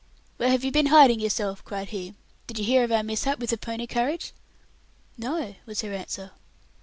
"Where have you been hiding yourself?" cried he. "Did you hear of our mishap with the pony carriage?" "No," was her answer.